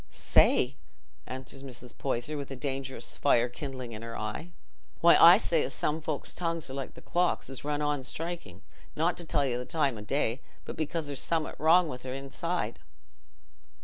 "Say!" answered Mrs. Poyser, with dangerous fire kindling in her eye. "Why, I say as some folks' tongues are like the clocks as run on strikin', not to tell you the time o' the day, but because there's summat wrong i' their own inside..."